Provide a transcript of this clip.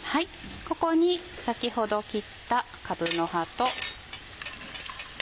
ここに先ほど切ったかぶの葉と。